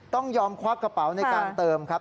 ต้องยอมควักกระเป๋าในการเติมครับ